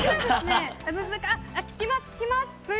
聞きます。